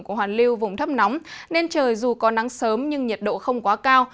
của hoàn lưu vùng thấp nóng nên trời dù có nắng sớm nhưng nhiệt độ không quá cao